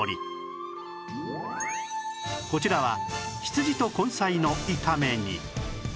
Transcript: こちらは羊と根菜の炒め煮